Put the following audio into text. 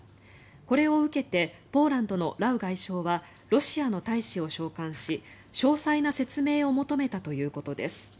これを受けてポーランドのラウ外相はロシアの大使を召喚し詳細な説明を求めたということです。